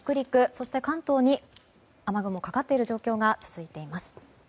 そして関東に雨雲がかかっている状況が続いています。